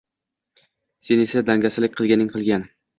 sen esa dangasalik qilganing qilgan”.